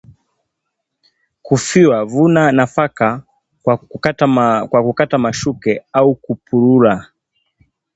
Kufyua - Vuna nafaka kwa kukata mashuke au kupurura